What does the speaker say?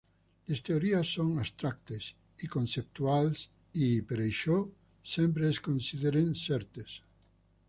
Les teories són abstractes i conceptuals i, per a això, sempre es consideren certes.